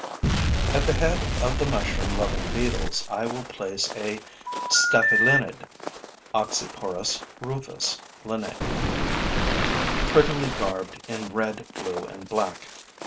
At the head of the mushroom loving beetles, I will place a Staphylinid (Oxyporus rufus, LIN.), prettily garbed in red, blue and black.